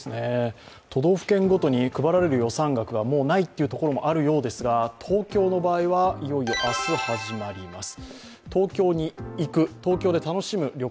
都道府県ごとに配られる予算額がもうないという所もあるようですが東京の場合はいよいよ明日、始まります。